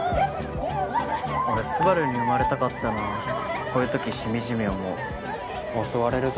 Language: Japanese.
俺スバルに生まれたかったなってこういう時しみじみ思う襲われるぞ